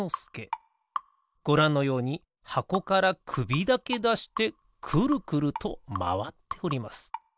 ごらんのようにはこからくびだけだしてくるくるとまわっております。